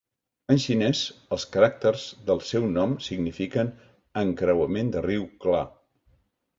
En xinés, els caràcters del seu nom signifiquen 'encreuament de riu clar'.